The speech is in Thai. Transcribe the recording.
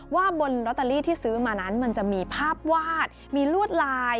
บนลอตเตอรี่ที่ซื้อมานั้นมันจะมีภาพวาดมีลวดลาย